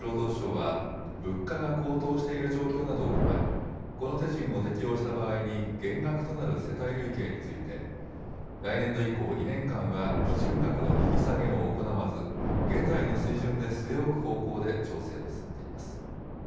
これについて厚生労働省は、物価が高騰している状況などを踏まえ、この手順を適用した場合に、減額となる世帯類型について、来年度以降２年間は基準額の引き下げを行わず、現在の水準で据え置く方向で調整を進めています。